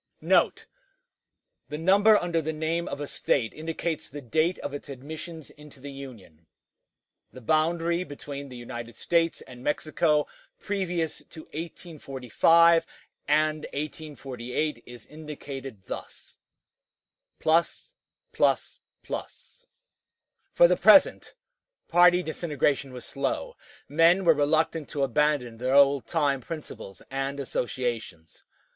NOTE. The number under the name of a State indicates the date of its admission into the Union The Boundary between the United States and Mexico previous to 1845 & 1848 is indicated thus +++] For the present, party disintegration was slow; men were reluctant to abandon their old time principles and associations.